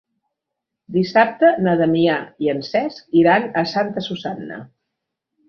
Dissabte na Damià i en Cesc iran a Santa Susanna.